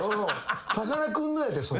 さかなクンのやでそれ。